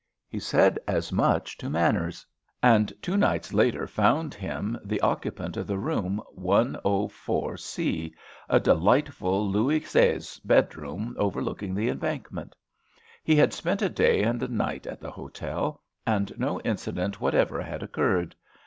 He said as much to Manners, and two nights later found him the occupant of the room 1046, a delightful Louis Seize bedroom overlooking the Embankment. He had spent a day and a night at the hotel, and no incident whatever had occurred.